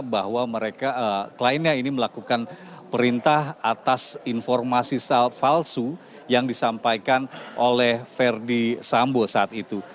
bahwa mereka kliennya ini melakukan perintah atas informasi palsu yang disampaikan oleh verdi sambo saat itu